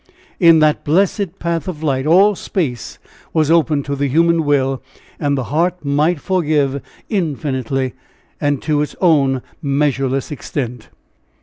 in that blessed path of light all space was open to the human will, and the heart might forgive infinitely and to its own measureless extent.